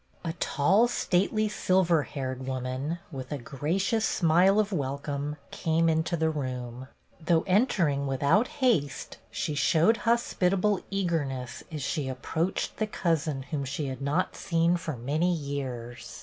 A tall, stately, silver haired woman, with a gracious smile of welcome, came into the room. Though entering without haste she showed hospitable eagerness as she ap proached the cousin whom she had not seen for many years.